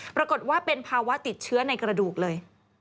ปรากฏว่าเป็นภาวะติดเชื้อในกระดูกเลย